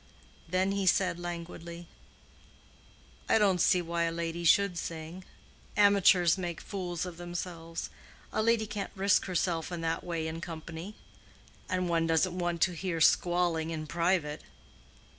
Then he said, languidly, "I don't see why a lady should sing. Amateurs make fools of themselves. A lady can't risk herself in that way in company. And one doesn't want to hear squalling in private."